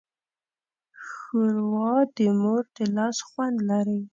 ښوروا د مور د لاس خوند لري.